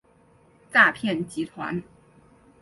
诈骗集团